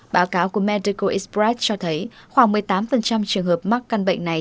báo cáo của menico express cho thấy khoảng một mươi tám trường hợp mắc căn bệnh này